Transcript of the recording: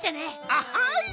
あっはい！